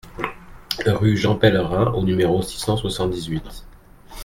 Rue Jean Pellerin au numéro six cent soixante-dix-huit